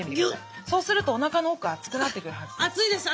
そうするとおなかの奥熱くなってくるはずです。